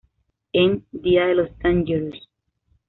En "¡día De Los Dangerous!